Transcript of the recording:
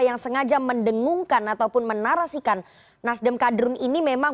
yang sengaja mendengungkan ataupun menarasikan nasdem kadrun ini memang